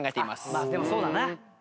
まあでもそうだな。